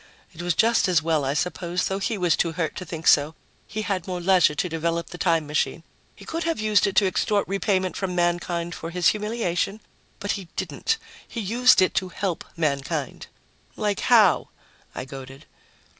It was just as well, I suppose, though he was too hurt to think so; he had more leisure to develop the time machine. He could have used it to extort repayment from mankind for his humiliation, but he didn't. He used it to help mankind." "Like how?" I goaded.